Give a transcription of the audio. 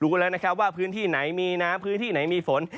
แล้วนะครับว่าพื้นที่ไหนมีน้ำพื้นที่ไหนมีฝน